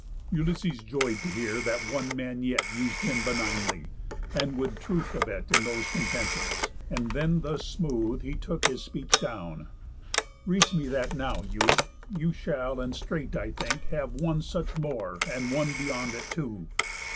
Ulysses joy'd to hear that one man yet Us'd him benignly, and would truth abet In those contentions; and then thus smooth He took his speech down: "Reach me that now, youth, You shall, and straight I think, have one such more, And one beyond it too.